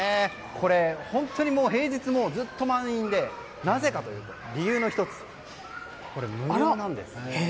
これ、本当に平日もずっと満員でなぜかというと理由の１つ無料なんですよ。